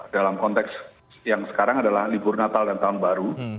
dalam konteks yang sekarang adalah libur natal dan tahun baru